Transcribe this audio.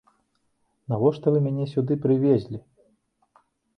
Навошта вы мяне сюды прывезлі?!